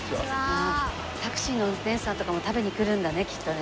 タクシーの運転手さんとかも食べに来るんだねきっとね。